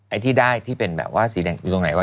ไอ้ที่ได้ที่เป็นแบบว่าสีแดงอยู่ตรงไหนวะ